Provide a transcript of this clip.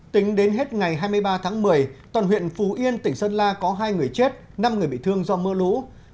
tính đến hết ngày hai mươi ba tháng một mươi toàn huyện phú yên tỉnh sơn la có hai người chết năm người bị thương do mưa lũ